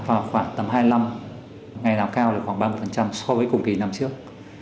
nó khoảng tầm hai mươi năm ngày nào cao là khoảng ba mươi so với cùng kỳ năm trước